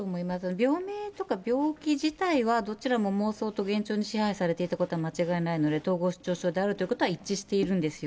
病名とか病気自体はどちらも妄想と幻聴に支配されていたことは間違いないので、統合失調症であるということは一致しているんですよ。